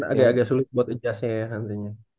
agak agak sulit buat adjustnya ya nantinya